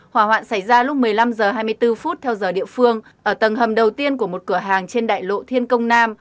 hỏa hoạn xảy ra lúc một mươi năm h hai mươi bốn theo giờ địa phương ở tầng hầm đầu tiên của một cửa hàng trên đại lộ thiên công nam